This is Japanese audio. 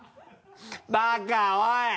バカおい！